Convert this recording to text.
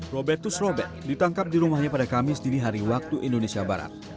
robertus robert ditangkap di rumahnya pada kamis dini hari waktu indonesia barat